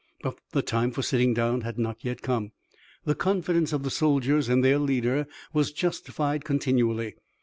But the time for sitting down had not yet come. The confidence of the soldiers in their leader was justified continually.